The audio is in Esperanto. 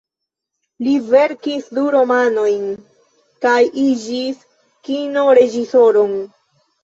Li verkis du romanojn, kaj iĝis kino-reĝisoron.